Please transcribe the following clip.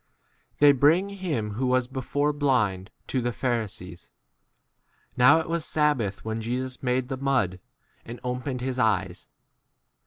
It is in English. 13 They bring him who was before 14 blind to the Pharisees. Now it was sabbath when Jesus made the mud and opened his eyes.